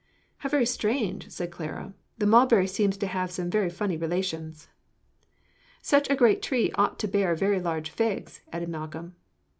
"How very strange!" said Clara. "The mulberry seems to have some very funny relations." "Such a great tree ought to bear very large figs," added Malcolm.